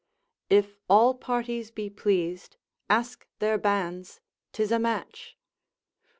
If all parties be pleased, ask their banns, 'tis a match.